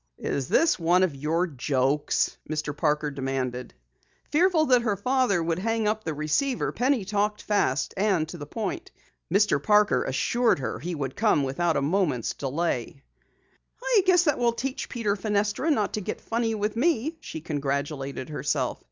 "Is this one of your jokes?" Mr. Parker demanded. Fearful that her father would hang up the receiver, Penny talked fast and to the point. Mr. Parker assured her he would come without a moment's delay. "I guess that will teach Peter Fenestra not to get funny with me!" she congratulated herself.